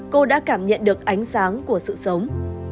cô đã cảm nhận được ánh sáng của sự sống